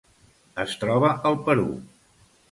Es troba al Perú.